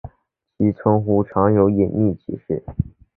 其称呼通常带有隐性歧视。